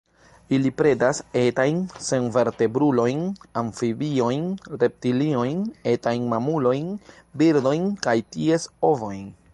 Ili predas etajn senvertebrulojn, amfibiojn, reptiliojn, etajn mamulojn, birdojn kaj ties ovojn.